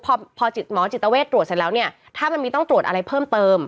พอหมอจิตเวทตรวจเสร็จแล้วเนี่ยถ้ามันมีต้องตรวจอะไรเพิ่มเติม